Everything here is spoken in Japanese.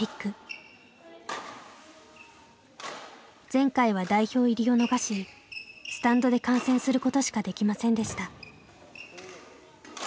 前回は代表入りを逃しスタンドで観戦することしかできませんでした。